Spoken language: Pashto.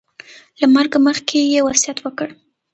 له مرګه مخکې یې وصیت وکړ.